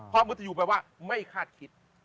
เพราะมันจะอยู่เป็นว่าให้คาดคิด